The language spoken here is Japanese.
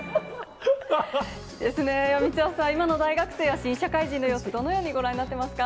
三屋さん、今の大学生や新社会人の様子、どのようにご覧になってますか？